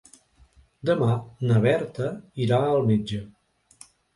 Demà na Berta irà al metge.